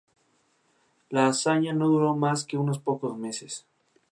La hazaña no duró más que unos pocos meses.